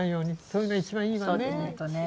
それが一番いいわね。